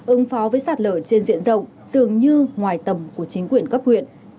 ứng phó với sạt lở trên diện rộng dường như ngoài tầm của chính quyền cấp huyện